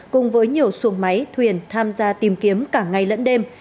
cùng với nhiều xuồng máy thuyền tham gia tìm kiếm cả ngày lẫn đêm